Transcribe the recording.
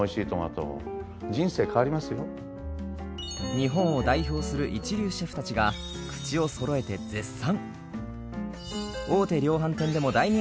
日本を代表する一流シェフたちが口をそろえて絶賛。